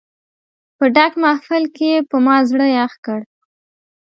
په ډک محفل کې یې په ما زړه یخ کړ.